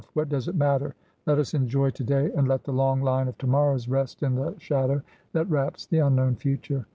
' What does it matter ? Let us enjoy to day, and let the long line of to morrows rest in the shadow that wraps the unknown future.